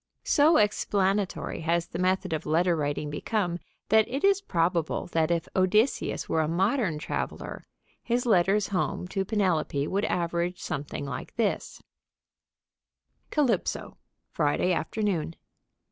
So explanatory has the method of letter writing become that it is probable that if Odysseus were a modern traveler his letters home to Penelope would average something like this: Calypso, _Friday afternoon.